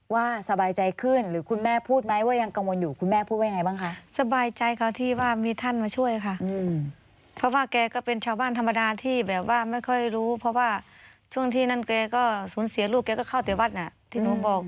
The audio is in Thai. ไม่เคยรู้เพราะว่าช่วงที่นั่นเก๋ก็สูญเสียลูกเก๋ก็เข้าเตี๋ยววัดน่ะที่หนูบอก